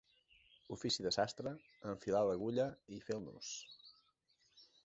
Ofici de sastre, enfilar l'agulla i fer el nus.